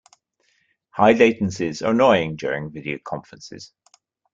High latencies are annoying during video conferences.